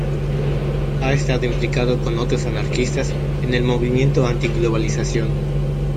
Ha estado implicado con otros anarquistas en el movimiento antiglobalización.